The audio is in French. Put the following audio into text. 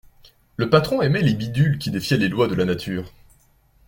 Le patron aimait les bidules qui défiaient les lois de la nature.